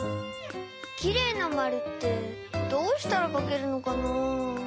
きれいなまるってどうしたらかけるのかなぁ。